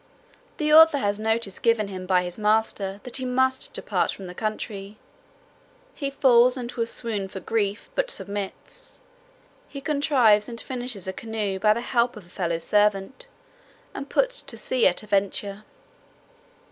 The author has notice given him by his master, that he must depart from the country. He falls into a swoon for grief; but submits. He contrives and finishes a canoe by the help of a fellow servant, and puts to sea at a venture.